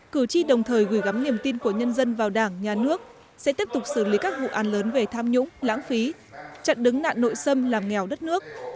cử tri đồng thời gửi gắm niềm tin của nhân dân vào đảng nhà nước sẽ tiếp tục xử lý các vụ an lớn về tham nhũng lãng phí chặn đứng nạn nội xâm làm nghèo đất nước